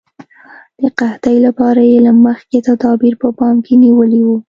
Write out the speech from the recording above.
د قحطۍ لپاره یې له مخکې تدابیر په پام کې نیولي وو.